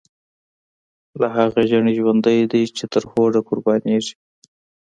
لاهغه ژڼی ژوندی دی، چی ترهوډه قربانیږی